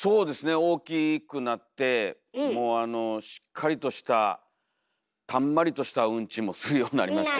大きくなってもうしっかりとしたたんまりとしたウンチもするようになりまして。